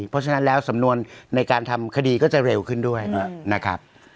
เพราะฉะนั้นแล้วสำนวนในการทำคดีก็จะเร็วขึ้นด้วยนะครับ